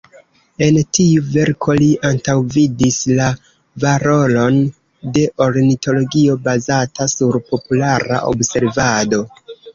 En tiu verko li antaŭvidis la valoron de ornitologio bazata sur populara observado.